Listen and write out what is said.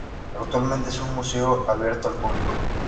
Actualmente es un museo abierto al público.